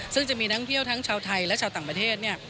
ซึ่งจะมีนักเที่ยวทั้งชาวไทยและชาวต่างประเทศเนี่ย